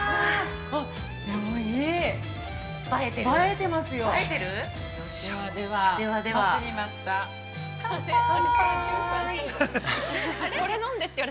◆映えてますよ。